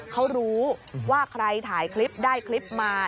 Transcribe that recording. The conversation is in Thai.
เขารู้ว่าใครถ่ายคลิปได้คลิปมา